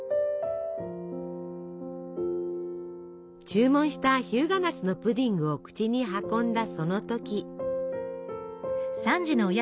注文した「日向夏のプディング」を口に運んだその時。